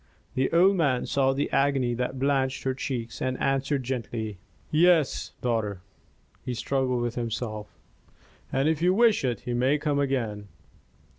The old man saw the agony that blanched her cheeks, and answered, gently: "Yes, daughter!" He struggled with himself, "And if you wish it, he may come again."